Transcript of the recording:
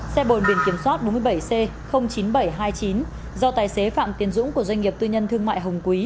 xe bồn biển kiểm soát bốn mươi bảy c chín nghìn bảy trăm hai mươi chín do tài xế phạm tiến dũng của doanh nghiệp tư nhân thương mại hồng quý